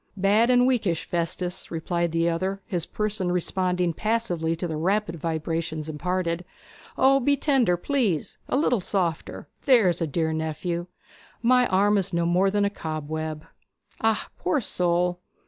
'Bad and weakish, Festus,' replied the other, his person responding passively to the rapid vibrations imparted. 'O, be tender, please a little softer, there's a dear nephew! My arm is no more than a cobweb.' 'Ah, poor soul!'